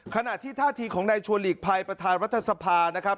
ขณะที่ท่าทีของนายชวนหลีกภัยประธานรัฐสภานะครับ